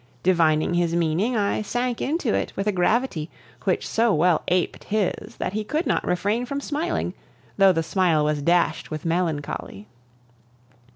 Divining his meaning, I sank into it with a gravity, which so well aped his, that he could not refrain from smiling, though the smile was dashed with melancholy.